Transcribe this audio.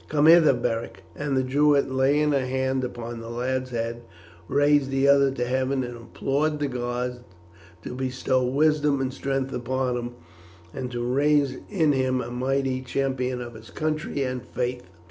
Come hither, Beric;" and the Druid, laying a hand upon the lad's head, raised the other to heaven and implored the gods to bestow wisdom and strength upon him, and to raise in him a mighty champion of his country and faith.